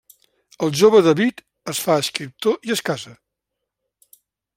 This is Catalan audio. El jove David es fa escriptor i es casa.